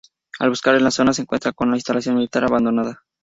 Al buscar en la zona se encuentran con la instalación militar abandonada.